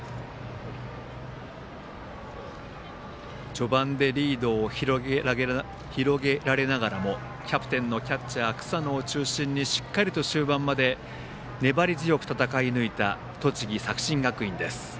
序盤でリードを広げられながらもキャプテンのキャッチャー草野を中心にしっかりと終盤まで粘り強く戦い抜いた栃木・作新学院です。